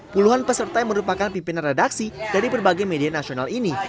puluhan peserta yang merupakan pimpinan redaksi dari berbagai media nasional ini